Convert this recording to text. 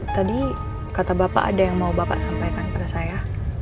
tadi kata bapak ada yang mau bapak sampaikan kepada saya